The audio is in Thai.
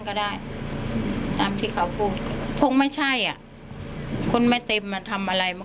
ก็ได้ตามที่เขาพูดคงไม่ใช่อ่ะคนไม่เต็มอ่ะทำอะไรมัน